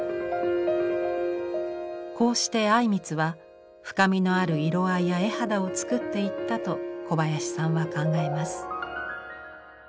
こうして靉光は深みのある色合いや絵肌を作っていったと小林さんは考えます。